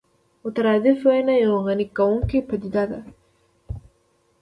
مترادف ويونه يوه غني کوونکې پدیده